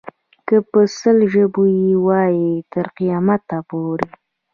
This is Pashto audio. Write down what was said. که په سل ژبو یې وایې تر قیامته پورې.